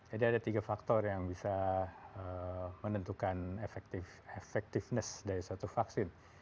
jadi ada tiga faktor yang bisa menentukan efektivitas dari satu vaksin